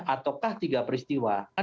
ataukah tiga peristiwa